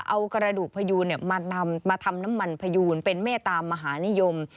เอากระดูกพยูนมาทำน้ำมันพยูนเป็นเมตตามหานิยม